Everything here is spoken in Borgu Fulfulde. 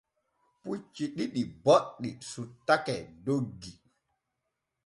Pucci ɗiɗi boɗɗi sottake doggi.